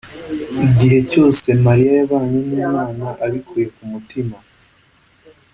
igihe cyose mariya yabanye n’imana abikuye ku mutima.